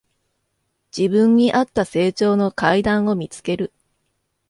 自分にあった成長の階段を見つける